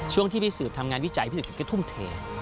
ช่วงที่พี่สืบทำงานวิจัยพิเศษก็ทุ่มเท